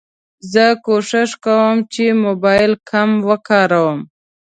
زه کوښښ کوم چې موبایل کم وکاروم.